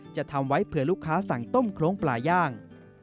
จะทำไว้เผื่อลูกค้าสั่งต้มโครงปลาย่าง